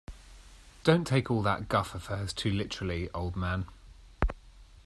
Don't take all that guff of hers too literally, old man.